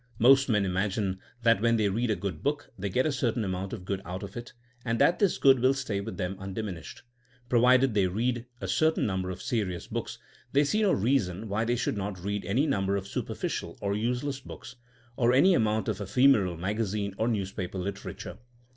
Most men imagine that when they read a good book they get a certain amount of good out of it, and that this good will stay with them undiminished. Provided they read a certain number of serious books, they see no reason why they should not read any number of superficial or useless books, or any amount of ephemeral magazine or news paper literature.